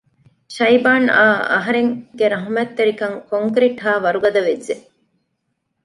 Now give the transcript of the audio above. ޝައިބާން އާ އަހަރެން ގެ ރަހުމަތް ތެރިކަން ކޮންކްރިޓް ހާ ވަރުގަދަ ވެއްޖެ